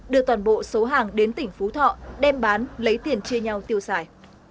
đưa toàn bộ số hàng đến tỉnh phú thọ đem bán lấy tiền chia nhau tiêu xài